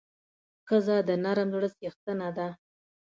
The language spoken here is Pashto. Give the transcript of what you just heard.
ښځه د نرم زړه څښتنه ده.